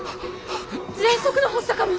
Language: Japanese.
ぜんそくの発作かも！